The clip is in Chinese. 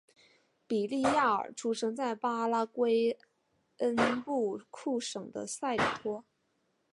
比利亚尔出生在巴拉圭涅恩布库省的塞里托。